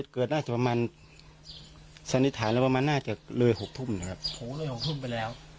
เกิดน่าจะประมาณสันนิษฐานแล้วประมาณน่าจะเลยหกทุ่มนะครับผมเลยหกทุ่มไปแล้ว